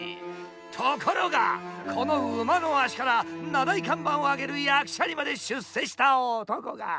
ところがこの馬の足から名題看板を上げる役者にまで出世した男が一人いる。